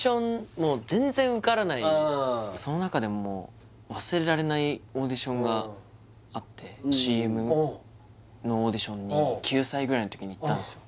もう全然受からないその中でももう忘れられないオーディションがあってＣＭのオーディションに９歳ぐらいの時に行ったんですよ